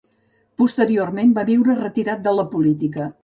Posteriorment va viure retirat de la política.